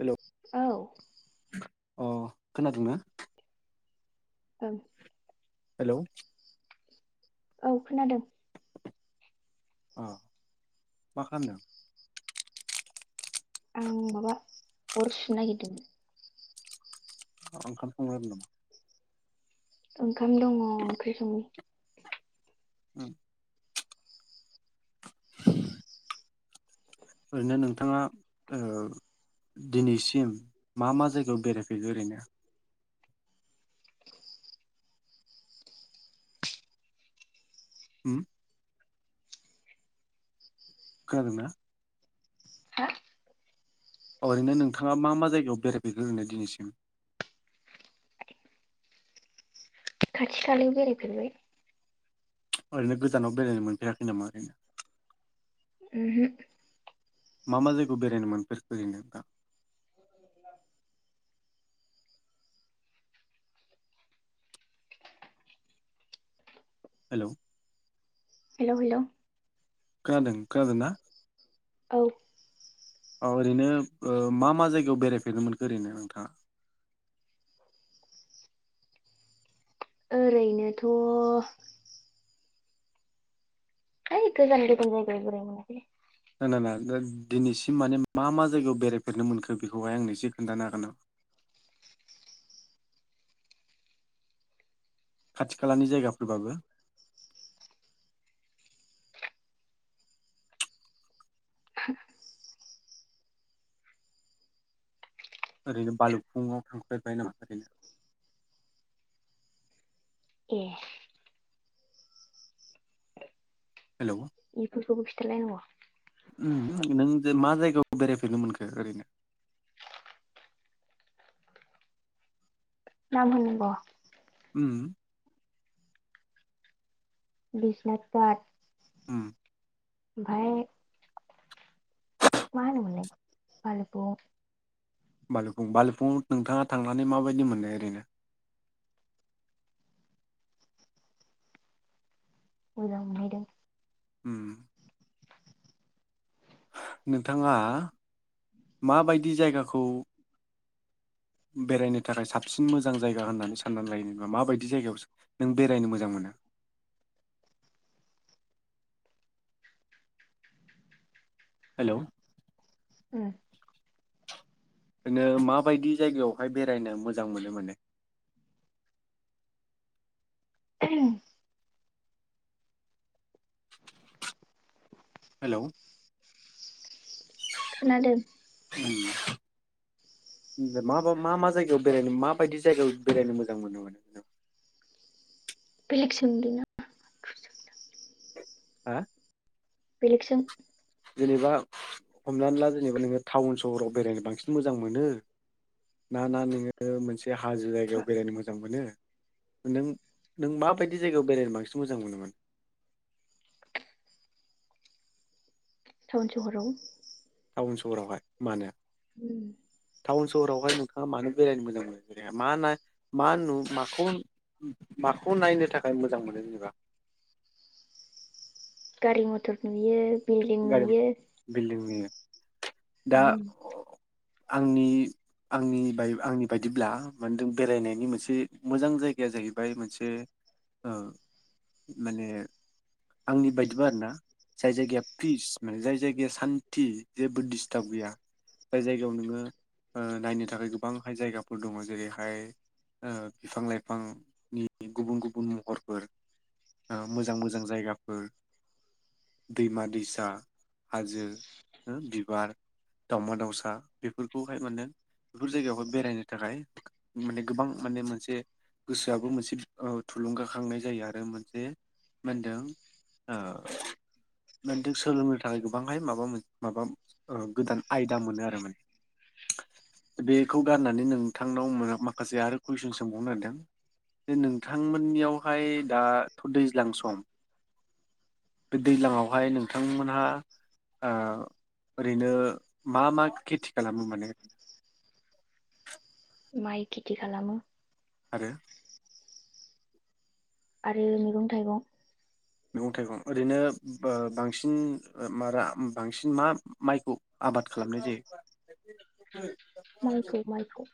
Hello औ अ खोनादोंना? औ हेलौ औ खोनादों। अ मा खालामदों? आं माबा अर'सनो नागिरदोंमोन। [unintelligible] औ ओंखाम दंङ ओंख्रि संनि उम ओरैनो नोंथांङा ओ दिनैसिम मा मा जायगायाव बेरायफेरखो ओरैनो‌ हुम खोनादोंना? हा अ ओरैनो नोंथांङा मा मा जायगायाव बेरायफेरखो होननो दिनैसिम? खाथि खालायाव बेरायफेरबाय। ओरैनो गोजानाव बेरायनो मोनफेराखै नामा ओरैनो। उहुम मा मा जायगायाव बेरायनोमोनफोरखो ओरैनो नोंथां? हेलोव हेलोव हेलोव खोनादों खोनादोंना? औ औ ओरैनो ओ मा मा जायगायाव बेरायफेरनो मोनखो ओरैनो नोंथांङा? ओरैनोथ' ओइ गोजान गोजान जायगायाव बेरायनो मोनाखैलै ना ना दा दिनैसिम माने मा मा जायगायाव बेरायफेरनो मोनखो बेखौहाय आंनो एसे खोन्थानो हागोन ना? खाथि खालानि जायगाफोरबाबो ओरैनो बालुगफुंङाव थांफेरबाय नामा ओरैनो? ए हेलौ बेफोरखौबो खिथालायनांग उम ओं मा जायगायाव बेरायफेरनो मोनखो ओरैनो मा बुंनांग उम बिस्नाथगाद ओम ओमफाय मा होनोमोनलाय बालोफुं बालोफुं बालोफुं नोंथांङा थांनानै माबायदि मोननाय ओरैनो मोजां मोनहैदों। ओम नोंथांङा माबायदि जायगाखौ बेरायनो थाखाय साबसिन मोजां जायगा होननानै साननानै लायोबा माबायदि जायगायावो नों बेरायनो मोजां मोनो? हेल' उम। नों माबायदि जायगायावहाय बेरायनो मोजां मोनो मोने? [unintelligible] हेल' खोनादो। [unintelligible] मा मा जायगायाव बेरायनो माबायदि जायगायाव बेरायनो मोजां मोनो [unintelligible] बेलेग सोंदोना [unintelligible] हा? बेलेग सों। जेनेबा हमनानै ला जेनेबा नोङो टाउन सहराव बेरायनो बांसिन मोजां मोनो ना ना नोङो मोनसे हाजो जायगायाव बेरायनो मोजां मोनो नों नों माबायदि जायगायाव बेरायनो बांसिन मोजां मोनोमोन? टाउन सहराव। टाउन सहरावहाय मानो? [inaudible] टाउन सहरावहाय नोंथाङा मानो बेरायनो मोजां मोनो [unintelligible] माखौ नायनो थाखाय मोजां मोनो जेनेबा? गारि मथरनि नुयो बिल्डिं गारि नुयो। बिल्डिंनि दा उम। आंनि आंनि आंनि बायदिब्ला बेरायनायनि मोनसे मोजां जायगाया जाहैबाय मोनसे माने आंनि बायदिबा आरोना जाय जायगाया पिस माने जाय जायगाया सान्थि जेबो दिस टाब गैया जाय जायगायाव नोङो नायनो थाखाय गोबांहाय जायगाफोर दङ जेरैहाय बिफां लाइफांनि गुबुन गुबुन महरफोर मोजां मोजां जायगाफोर दैमा दैसा हाजो। हो बिबार। दावमा-दावसा बेफोरखौहाय मोनो बेफोर जायगायावहाय बेरायनो थाखाय माने गोबां माने मोनसे गोसोआबो मोनसे ओ थुलुंगाखांनाय जायो आरो मोनसे मा होनदों माबा मोनसे सोलोंनो थाखाय गोबांहाय माबा मोन माबा गोदान आयदा मोनो आरो माने बेखौ गारनानै नोंथांनाव माखासे आरो कुइसन सोंबावनो नागिरदों जे नोंथांमोननियावहाय दाथ' दैज्लां सम बे दैज्लांआवहाय नोंथांमोनहा ओ ओरैनो मा मा खेथि खालामो माने? माइ खिथि खालामो। आरो। आरो मैगं-थाइगं। मैगं-थाइगं ओरैनो बो बांसिन ओ मा रा बांसिन मा माइखौ आबाद खालामनाय जायो? माइखौ माइखौ।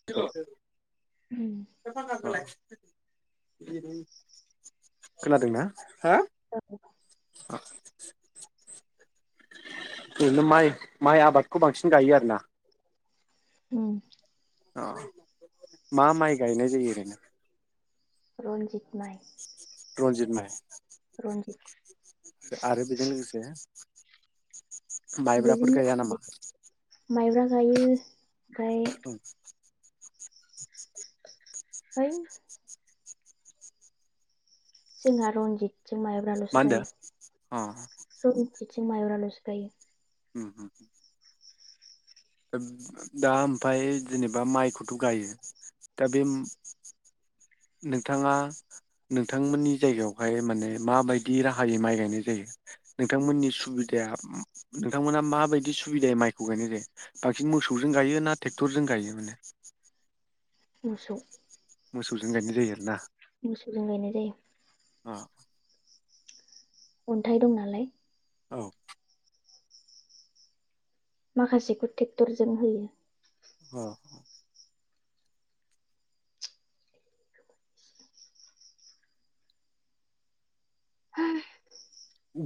[inaudible] [inaudible] [inaudible] उम खोनादोंना? [inaudible] [inaudible] ओरैनो माइ माइ आबादखौ बांसिन गायो आरो ना। [unintelligible] अ मा माइ गायनाय जायो ओरैनो? रनजित। रनजित माइ। [unintelligible] रनजित ओ आरो बिजों लोगोसे माइब्राफोर गाया बेजोंनो नामा [inaudible] माइब्रा गायो ओमफ्राय औ [inaudible] है जोङा रनजित जों मा मायाब्राल'सो होनदों अ गायो [inaudible] थिं माइब्राल'सो गायो। उम-उम-उम [unintelligible] दा ओमफाय जेनेबा माइखौथ' गायो दा बे नोंथाङा नोंथांमोननि जायगायावहाय माने माबायदि राहायै माइ गायनाय जायो नोंथांमोननि सुबिदाया नोंथांमोना माबायदि सुबिदायै माइखौ गायनाय जायो बांसिन मोसौजों गायो ना टेक्टरजों गायो माने? मोसौ मोसौजों गायनाय जायो आरोना। मोसौजों गायनाय जायो। अ अन्थाइ दं नालाय औ माखासेखौ टेक्टरजों होयो अ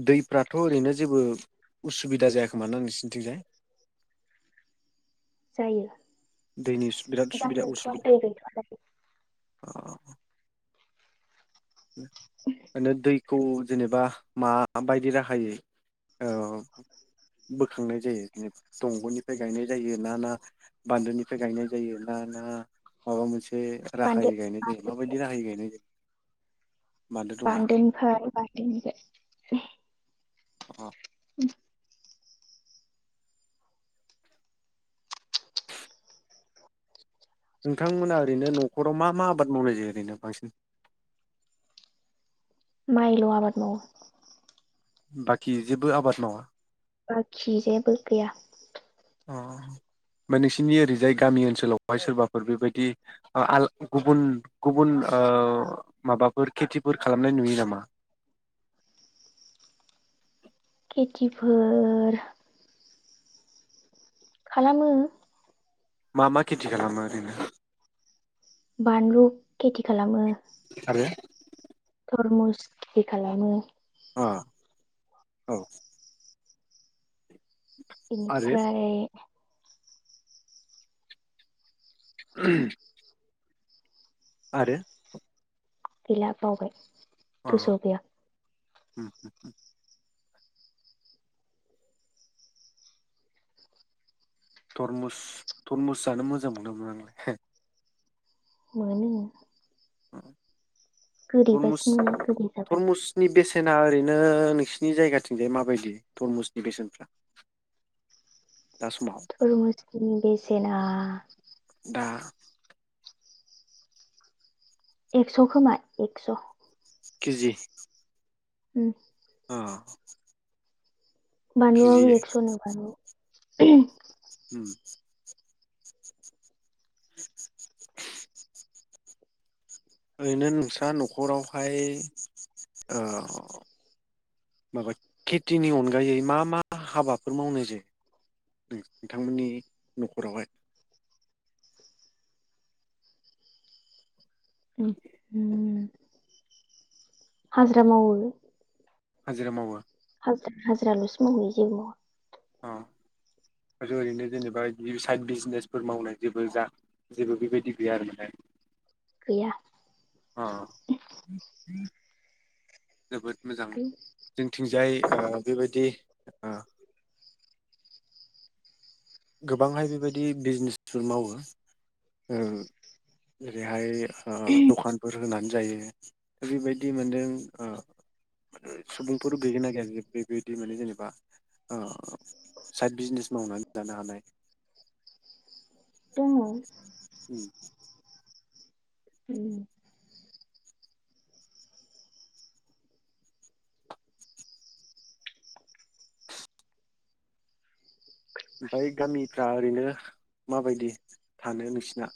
दैफ्राथ' ओरैनो जेबो उसुबिदा जायाखोमा ना नोसिनथिंजाय? जायो दैनि सु दा सुबिदा गैथ'आ दै उसुबिदा गैथ'आ दायो [unintelligible] मानो दैखौ जेनेबा माबायदि राहायै ओ बोखांनाय जायो जेनेबा दंग'निफ्राय गायनाय जायो ना ना बान्दोनिफ्राय गायनाय जायो ना ना माबा मोनसे एसे बान्दो राहायै गायनाय जायो माबायदि राहायै गायनाय जायो? बान्दो दंना बान्दोनिफ्राय बान्दोनिफाय अ [inaudible] नोंथांमोना ओरैनो न'खराव मा मा आबाद मावनाय जायो ओरैनो बांसिन? माइल' आबाद मावो। बाखि जेबो आबाद मावा? बाखि जेबो गैया। अ नोंसिनि ओरैजाय गामि ओनसोलावहाय सोरबाफोर बेबायदि गुबुन गुबुन ओ माबाफोर खेथिफोर खालामनाय नुयो नामा? खिथिफोर खालामो मा मा खेथि खालामो ओरैनो? बानलु खेथि खालामो। आरो? धरमुस खेथि खालामो अ औ बेनिफ्राय [unintelligible] आरो? गैला बावबाय। गोसोआव गैया उम-उम धरमुस थरमुस जानो मोजां मोनोना मोना नोंलाय? मोनो तरमुस गोदैबासो मोनो गोदै जाबा। तरमुसनि बेसेना ओरैनो नोंसिनि जायगाथिंजाय माबायदि धरमुसनि बेसेनफ्रा? दा समाव थरमुसनि बेसेना दा एक्स खोमा एक्स'। केेजि उम औ बानलुआबो एक्स'नो बान [inaudible] उम [unintelligible] ओरैनो नोंस्रा नखरावहाय ओ माबा खेथिनि अनगायै मा मा हाबाफोर मावनो जायो नोंथांमोननि न'खरावहाय? [unintelligible] हाजिरा मावो। हाजिरा मावो। हाजिरालसो मावहैयो जेबो मावा। अ आरो ओरैनो जेनेबा बिदि साइद बिजिनेसफोर मावनाय जेबो जा जेबो बेबायदि गैया आरो माने गैया। अ। [unintelligible] जोबोद मोजां जोंथिंजाय। ओ बेबायदि ओ। गोबांहाय बेबायदि बिजनेसफोर मावो ओ जेरैहाय। ओ दखानफोर। होनानै जायो ओरैबादि मोन्दों ओ ब सुबुंफोर गैखौ नागिर जे बेबायदि माने जेनेबा ओ साइड बिजनेस मावनानै। जानोहानाय। दंङ। उम ओमफ्राय गामिफ्रा ओरैनो माबायदि थानो नोंसिना।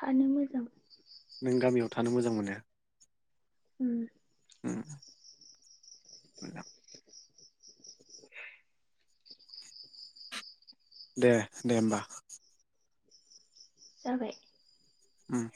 थानो मोजां। नों गामियाव थानो मोजां मोनो। उम उम मोजां। दे दे होमबा। जाबाय। होम।